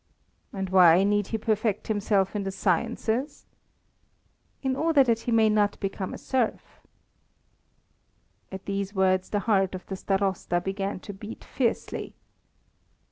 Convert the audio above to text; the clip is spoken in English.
"And why need he perfect himself in the sciences?" "In order that he may not become a serf." At these words the heart of the Starosta began to beat fiercely.